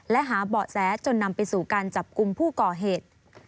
และหาเบาะแสจนนำไปสู่การจับกลุ่มผู้ก่อเหตุ